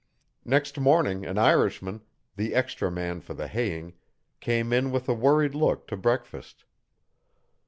Next morning an Irishman, the extra man for the haying, came in with a worried look to breakfast.